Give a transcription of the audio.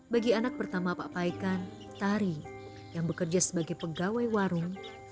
bagi anak pertama pak paikan tari yang bekerja sebagai pegawai warung